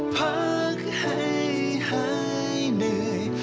ขอให้พ่อหลับพักให้ให้เหนื่อย